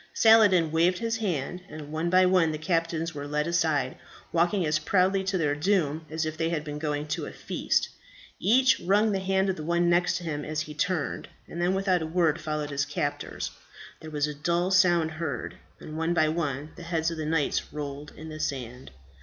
Saladin waved his hand, and one by one the captives were led aside, walking as proudly to their doom as if they had been going to a feast. Each wrung the hand of the one next to him as he turned, and then without a word followed his captors. There was a dull sound heard, and one by one the heads of the knights rolled in the sand.